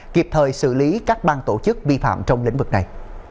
kịp thời xử lý các bang tổ chức vi phạm trong lĩnh vực này